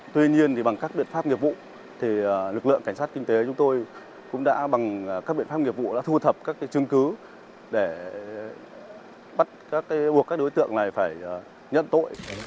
tuy nhiên bằng các biện pháp nghiệp vụ lực lượng cảnh sát kinh tế chúng tôi cũng đã bằng các biện pháp nghiệp vụ thu thập các chương cứu để bắt các đối tượng này phải nhận tội